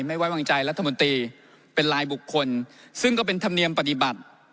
ไม่ไว้วางใจรัฐมนตรีเป็นลายบุคคลซึ่งก็เป็นธรรมเนียมปฏิบัติ